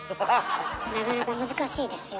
なかなか難しいですよ。